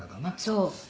「そう。